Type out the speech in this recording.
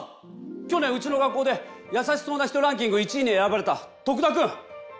去年うちの学校でやさしそうな人ランキング１位に選ばれた徳田くん！